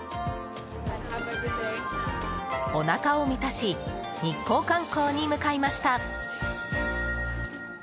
お腹を満たし日光観光に向かいました。